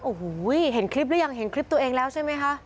โอ้โหเห็นคลิปหรือยังเห็นคลิปตัวเองแล้วใช่ไหมคะ